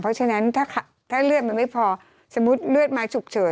เพราะฉะนั้นถ้าเลือดมันไม่พอสมมุติเลือดมาฉุกเฉิน